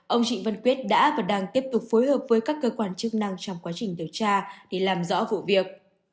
ông trịnh văn quyết đã và đang tiếp tục phối hợp với các cơ quan chức năng trong quá trình điều tra để làm rõ vụ việc